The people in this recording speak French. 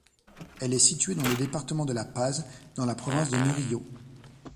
Elle est située dans le département de La Paz, dans la province de Murillo.